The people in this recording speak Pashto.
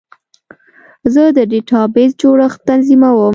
زه د ډیټابیس جوړښت تنظیموم.